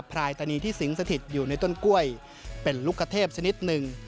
พรายตานีที่สิงสถิตอยู่ในต้นกล้วยเป็นลูกขเทพชนิดหนึ่ง